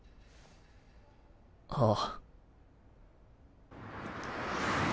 ああ。